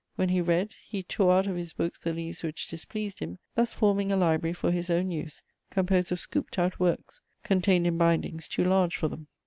When he read, he tore out of his books the leaves which displeased him, thus forming a library for his own use, composed of scooped out works, contained in bindings too large for them.